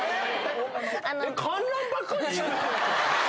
観覧ばっかり？